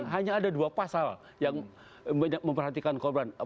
hanya ada dua pasal yang memperhatikan korban